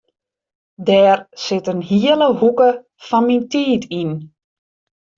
Dêr sit in hiele hoeke fan myn tiid yn.